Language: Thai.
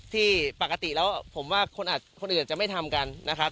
ที่ปกติแล้วผมว่าคนอื่นจะไม่ทำกันนะครับ